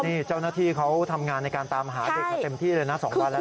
นี่เจ้าหน้าที่เขาทำงานในการตามหาเด็กมาเต็มที่เลยนะ๒วันแล้ว